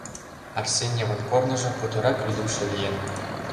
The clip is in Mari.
Арсеньевын корныжо путырак лӱдыкшӧ лийын...